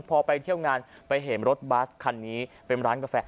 พอไปเที่ยวงานไปเห็นรถบัสคันนี้เป็นร้านกาแฟ